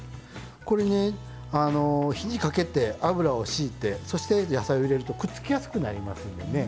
これね火にかけて油をしいてそして野菜を入れるとくっつきやすくなりますんでね